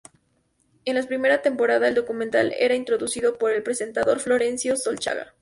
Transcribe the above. En las primera temporada, el documental era introducido por el presentador Florencio Solchaga.